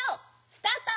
スタート！